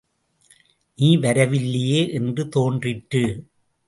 நீ வரவில்லையே என்று தோன்றிற்று.